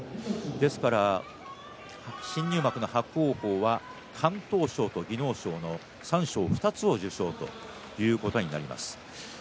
ですから新入幕の伯桜鵬は敢闘賞と技能賞の三賞２つを受賞ということになります。